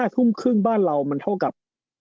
ทุ่มครึ่งบ้านเรามันเท่ากับ